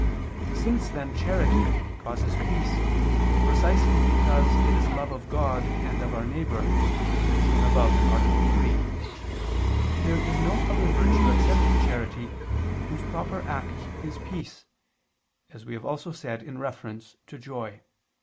Since then charity causes peace precisely because it is love of God and of our neighbor, as shown above (A. 3), there is no other virtue except charity whose proper act is peace, as we have also said in reference to joy (Q.